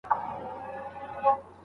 د پوهنتون اصول نه ماتول کېږي.